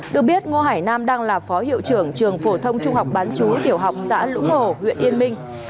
được biết ngô hải nam đang là phó hiệu trưởng trường phổ thông trung học bán chú tiểu học xã lũng hồ huyện yên minh